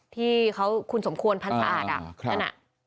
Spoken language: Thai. ที่เขาคุณสมควรพันธาอาทอะอ่าครับ